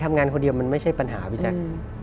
ทำงานคนเดียวมันไม่ใช่ปัญหาพี่แจ๊ค